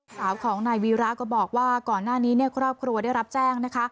สาวของนายวีระก็บอกว่าก่อนหน้านี้ครอบครัวได้รับแจ้งนะคะ